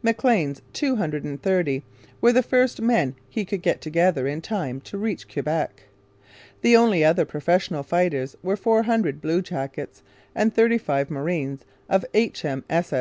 Maclean's two hundred and thirty were the first men he could get together in time to reach Quebec. The only other professional fighters were four hundred blue jackets and thirty five marines of H.M.